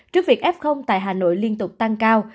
trước việc f tại hà nội liên tục tăng cao